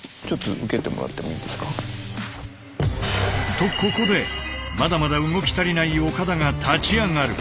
とここでまだまだ動き足りない岡田が立ち上がる。